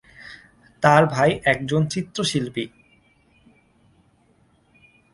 তার ভাই একজন চিত্রশিল্পী।